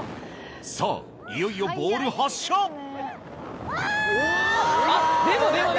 さぁいよいよボール発射あぁ！